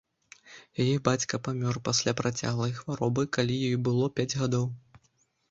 Яе бацька памёр пасля працяглай хваробы, калі ёй было пяць гадоў.